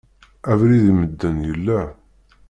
Abrid i medden yella.